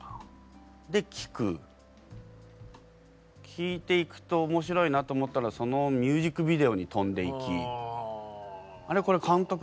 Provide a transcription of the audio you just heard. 聴いていくと面白いなと思ったらそのミュージックビデオに飛んでいきあれこれ監督